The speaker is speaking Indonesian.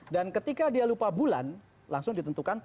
dan ketika dia lupa bulan maka langsung ditentukan satu juli